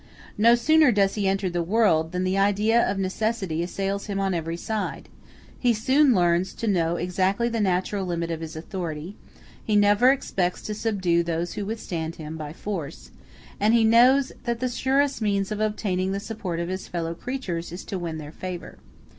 No sooner does he enter the world than the idea of necessity assails him on every side: he soon learns to know exactly the natural limit of his authority; he never expects to subdue those who withstand him, by force; and he knows that the surest means of obtaining the support of his fellow creatures, is to win their favor.